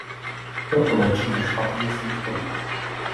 Proto léčíme špatné symptomy.